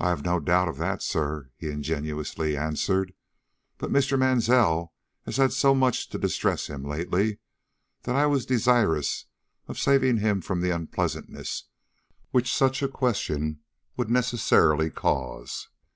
"I have no doubt of that, sir," he ingenuously answered. "But Mr. Mansell has had so much to distress him lately, that I was desirous of saving him from the unpleasantness which such a question would necessarily cause.